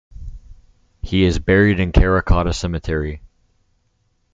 He is buried in Karrakatta Cemetery.